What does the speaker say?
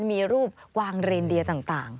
มีรูปกวางเรนเดียต่าง